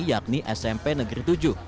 yakni smp negeri tujuh